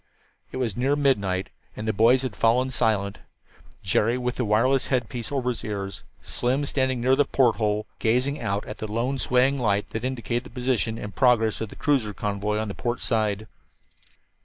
It was near midnight, and the boys had fallen silent, Jerry with the wireless headpiece over his ears, Slim standing near the porthole, gazing out at the lone swaying light that indicated the position and the progress of the cruiser convoy on the port side.